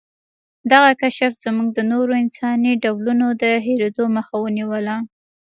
دغه کشف زموږ د نورو انساني ډولونو د هېرېدو مخه ونیوله.